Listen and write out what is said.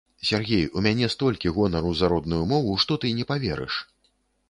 Сяргей, у мяне столькі гонару за родную мову, што ты не паверыш.